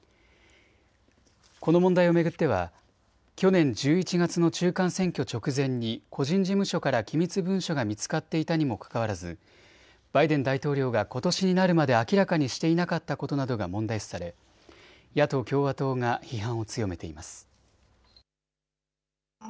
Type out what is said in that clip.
この問題を巡っては去年１１月の中間選挙直前に個人事務所から機密文書が見つかっていたにもかかわらずバイデン大統領がことしになるまで明らかにしていなかったことなどが問題視され野党・共和党が批判を強めています。